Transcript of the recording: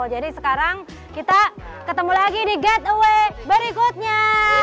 jadi sekarang kita ketemu lagi di getaway berikutnya